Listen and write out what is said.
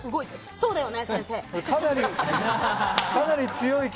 そうだよね？